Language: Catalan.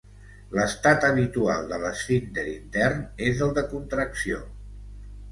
L'estat habitual de l'esfínter intern és el de contracció.